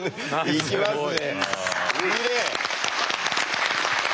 いきますね。